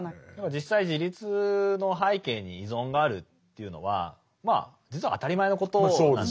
実際自立の背景に依存があるというのはまあ実は当たり前のことなんですよね。